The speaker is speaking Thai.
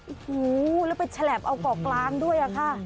โอ้โหแล้วไปฉลับเอาเกาะกลางด้วยค่ะ